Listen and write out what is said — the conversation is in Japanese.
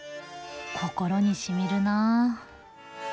心にしみるな。